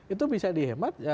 itu bisa dihemat